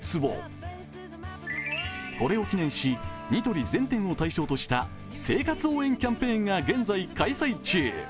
これを記念しニトリ全店を対象とした生活応援キャンペーンが現在開催中。